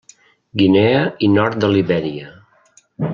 Guinea i nord de Libèria.